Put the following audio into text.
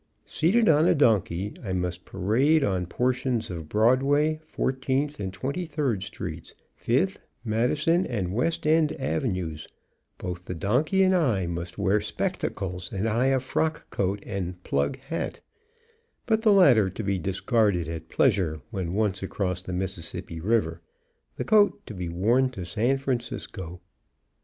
Seated on a donkey, I must parade on portions of Broadway, Fourteenth and Twenty third Streets, Fifth, Madison, and West End Avenues; both the donkey and I must wear spectacles, and I a frock coat and "plug" hat, but, the latter to be discarded at pleasure when once across the Mississippi River, the coat to be worn to San Francisco.